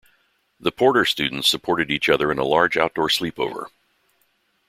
The Porter students supported each other in a large outdoor sleepover.